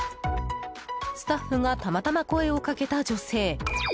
スタッフがたまたま声をかけた女性。